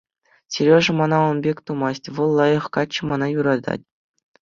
Сережа мана ун пек тумасть, вӑл лайӑх каччӑ, мана юратать.